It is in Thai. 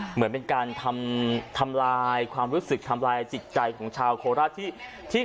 เหมือนเป็นการทำลายความรู้สึกทำลายจิตใจของชาวโคราชที่